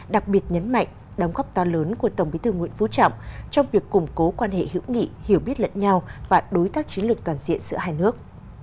đặc biệt nhấn mạnh đóng góp to lớn của tổng bí thư nguyễn phú trọng trong việc củng cố quan hệ hữu nghị hiểu biết lẫn nhau và đối tác chiến lược toàn diện giữa hai nước